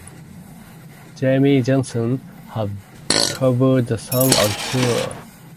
Jamey Johnson has covered the song on tour.